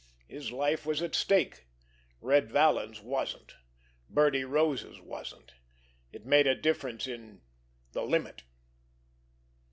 His life was at stake. Red Vallon's wasn't. Birdie Rose's wasn't. It made a difference in—the limit!